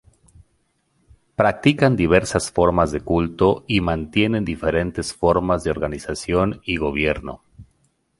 Practican diversas formas de culto y mantienen diferentes formas de organización y gobierno.